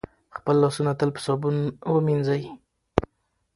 خپل لاسونه تل په صابون وینځئ.